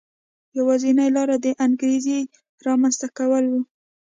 یوازینۍ لار د انګېزې رامنځته کول و.